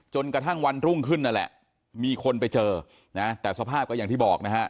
จนกระทั่งวันรุ่งขึ้นนั่นแหละมีคนไปเจอนะแต่สภาพก็อย่างที่บอกนะฮะ